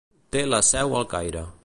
Té la seu al Caire.